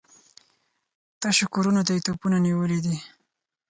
تشو کورونو ته يې توپونه نيولي دي.